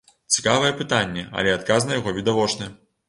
Цікавае пытанне, але адказ на яго відавочны.